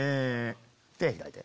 手開いて。